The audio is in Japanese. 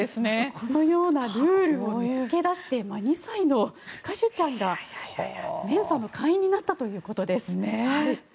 このようなルールを見つけ出して２歳のカシュちゃんがメンサの会員になったということです。